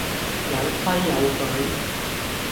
有規有矩